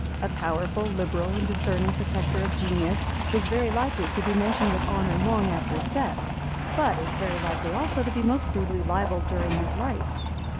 A powerful, liberal and discerning protector of genius is very likely to be mentioned with honour long after his death, but is very likely also to be most brutally libelled during his life.